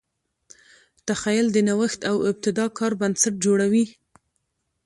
تخیل د نوښت او ابتکار بنسټ جوړوي.